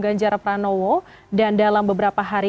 ganjar pranowo dan dalam beberapa hari